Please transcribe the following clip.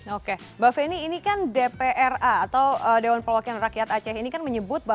oke mbak feni ini kan dpra atau dewan perwakilan rakyat aceh ini kan menyebut